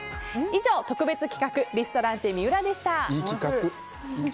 以上、特別企画リストランテＭＩＵＲＡでした。